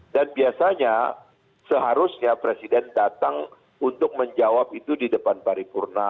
dan biasanya seharusnya presiden datang untuk menjawab itu di depan paripurna